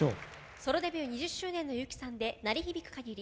ソロデビュー２０周年のＹＵＫＩさんで「鳴り響く限り」。